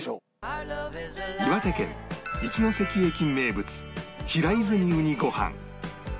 岩手県一ノ関駅名物平泉うにごはん